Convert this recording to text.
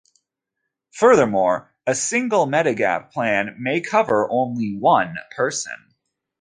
Furthermore, a single Medigap plan may cover only one person.